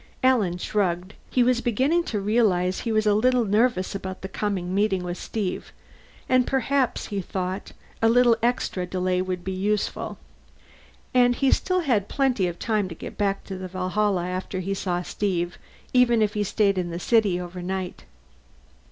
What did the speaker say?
Alan shrugged. He was beginning to realize he was a little nervous about the coming meeting with Steve and perhaps, he thought, a little extra delay would be useful. And he still had plenty of time to get back to the Valhalla after he saw Steve, even if he stayed in the city overnight.